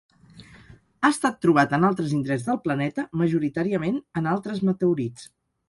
Ha estat trobat en altres indrets del planeta, majoritàriament en altres meteorits.